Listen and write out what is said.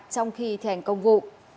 trong khi thi hành công vụ